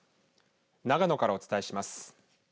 長野からお伝えします。